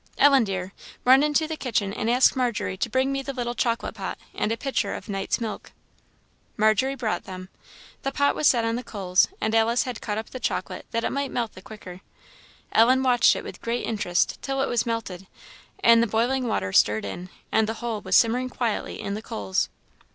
Ellen, dear, run into the kitchen and ask Margery to bring me the little chocolate pot and a pitcher of night's milk." Margery brought them. The pot was set on the coals, and Alice had cut up the chocolate that it might melt the quicker. Ellen watched it with great interest till it was melted, and the boiling water stirred in, and the whole was simmering quietly on the coals.